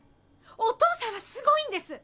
お父さんはすごいんです！